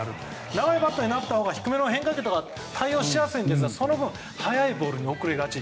長いバットのほうが低めの変化球に対応しやすいですがその分、速いボールに遅れがち。